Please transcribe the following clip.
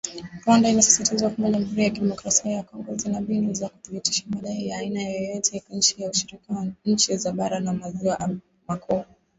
Rwanda inasisitizwa kwamba jamuhuri ya kidemokrasia ya Kongo nzina mbinu za kuthibitisha madai ya aina yoyote chini ya ushirika wa nchi za bara za maziwa makuu